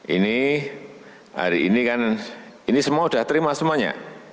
ini hari ini kan ini semua sudah terima semuanya